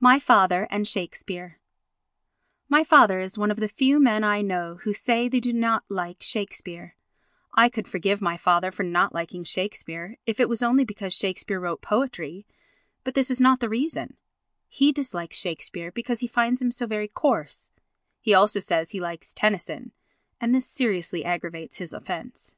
My Father and Shakespeare My father is one of the few men I know who say they do not like Shakespeare. I could forgive my father for not liking Shakespeare if it was only because Shakespeare wrote poetry; but this is not the reason. He dislikes Shakespeare because he finds him so very coarse. He also says he likes Tennyson and this seriously aggravates his offence.